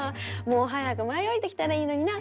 「もう早く舞い降りてきたらいいのになあ！」